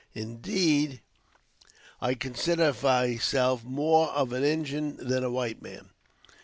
Indeed, I consider myself more of an Injin than a white man."